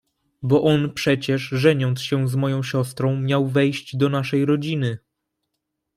"Bo on przecież żeniąc się z moją siostrą, miał wejść do naszej rodziny."